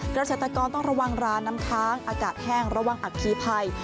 เกษตรกรต้องระวังร้านน้ำค้างอากาศแห้งระวังอัคคีภัย